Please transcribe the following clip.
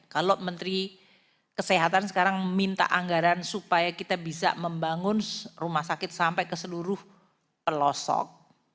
kalau menteri kesehatan sekarang minta anggaran supaya kita bisa membangun rumah sakit sampai ke seluruh pelosok